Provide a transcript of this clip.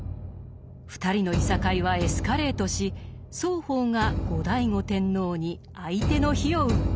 ２人のいさかいはエスカレートし双方が後醍醐天皇に相手の非を訴えます。